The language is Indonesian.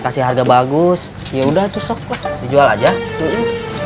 kasih harga bagus ya udah tuh sop dijual aja tuh sudah dua puluh lima ya kang